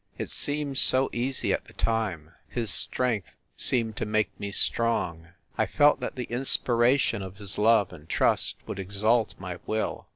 It seemed so easy at the time ! His strength seemed to make me strong. I felt that the inspiration of his love and trust would exalt my will.